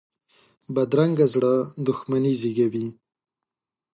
بدرنګه زړه دښمني زېږوي